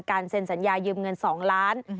เซ็นสัญญายืมเงิน๒ล้าน